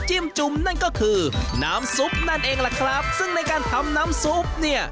จุ่มนั่นก็คือน้ำซุปนั่นเองล่ะครับซึ่งในการทำน้ำซุปเนี่ย